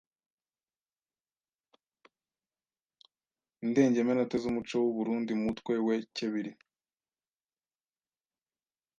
Indengemenote z’Umuco w’u Burunndi mutwe we kebiri